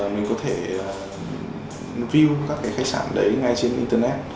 mình có thể view các cái khách sạn đấy ngay trên internet